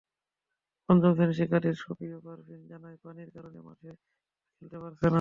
পঞ্চম শ্রেণির শিক্ষার্থী সুপ্রিয়া পারভীন জানায়, পানির কারণে মাঠে তারা খেলতে পারছে না।